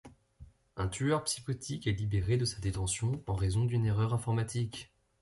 Un tueur psychotique est libéré de sa détention en raison d'une erreur informatique.